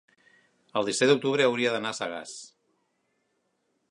el disset d'octubre hauria d'anar a Sagàs.